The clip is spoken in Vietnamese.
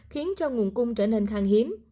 khiến cho nguồn cung trở nên khang hiếm